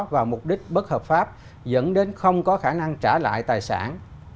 và mục đích bất hợp pháp dẫn đến không có khả năng trả lại tài sản